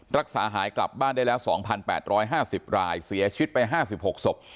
รักษาหายกลับบ้านได้แล้ว๒๘๕๐รายเสียชีวิตไป๕๖ศพ